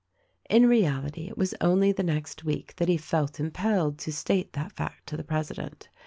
In reality it was only the next week that he felt im pelled to state that fact to the president.